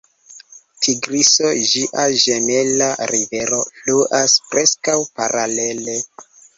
Tigriso, ĝia ĝemela rivero, fluas preskaŭ paralele.